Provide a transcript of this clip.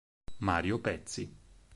Mario Pezzi